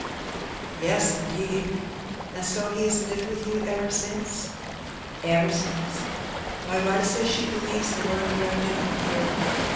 " Yes, indeed ! And so he has lived with you ever since ?"" Ever since. My wife says she believes the Lord directed him here.